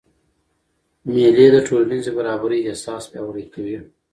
مېلې د ټولنیزي برابرۍ احساس پیاوړی کوي.